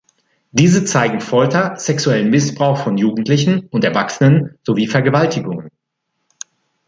Diese zeigen Folter, sexuellen Missbrauch von Jugendlichen und Erwachsenen sowie Vergewaltigungen.